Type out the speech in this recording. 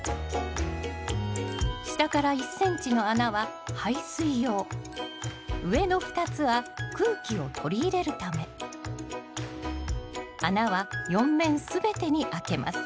下から１ｃｍの穴は排水用上の２つは空気を取り入れるため穴は４面全てにあけます。